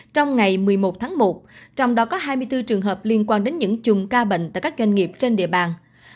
trong ngày một mươi một tháng một trong đó có hai mươi bốn trường hợp liên quan đến những chùm ca bệnh tại các doanh nghiệp trên địa bàn